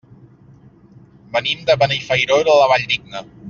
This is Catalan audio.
Venim de Benifairó de la Valldigna.